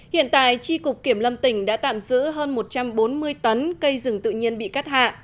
hiện tại tri cục kiểm lâm tỉnh đã tạm giữ hơn một trăm bốn mươi tấn cây rừng tự nhiên bị cắt hạ